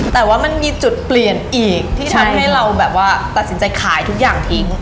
แต่ว่ามันมีจุดเปลี่ยนอีกที่ทำให้เราแบบว่าตัดสินใจขายทุกอย่างทิ้ง